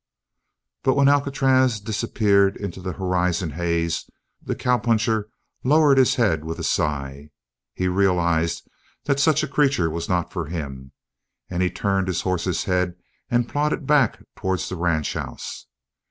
But when Alcatraz disappeared in the horizon haze, the cowpuncher lowered his head with a sigh. He realized that such a creature was not for him, and he turned his horse's head and plodded back towards the ranchhouse.